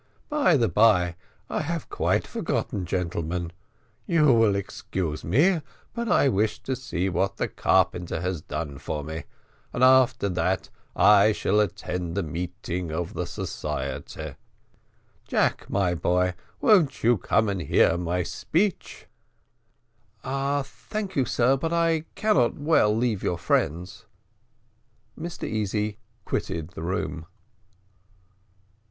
By the bye, I have quite forgot, gentlemen; you will excuse me, but I wish to see what the carpenter has done for me, and after that I shall attend the meeting of the society. Jack, my boy, won't you come and hear my speech." "Thank you, sir, but I cannot well leave your friends." Mr Easy quitted the room.